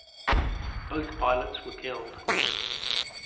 Both pilots were killed.